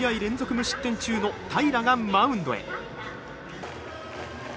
無失点中の平良がマウンドへ。